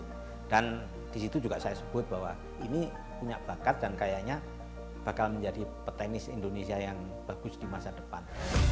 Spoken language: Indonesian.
dan di situ juga saya sebut bahwa ini punya bakat dan kayaknya bakal menjadi petenis indonesia yang bagus di masa depan